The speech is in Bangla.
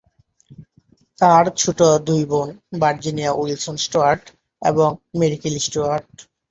তার ছোট দুই বোন ভার্জিনিয়া উইলসন স্টুয়ার্ট এবং ম্যারি কেলি স্টুয়ার্ট।